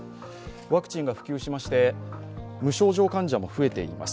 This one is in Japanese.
ワクチンが普及しまして無症状患者も増えています。